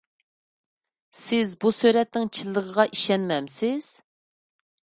سىز بۇ سۈرەتنىڭ چىنلىقىغا ئىشەنمەمسىز؟